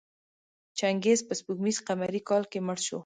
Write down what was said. چنګیز په سپوږمیز قمري کال کې مړ شو.